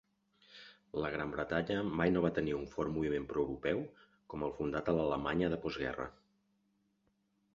La Gran Bretanya mai no va tenir un fort moviment proeuropeu com el fundat a l'Alemanya de postguerra.